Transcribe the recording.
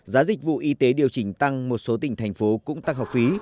giá dịch vụ y tế điều chỉnh tăng một số tỉnh thành phố cũng tăng học phí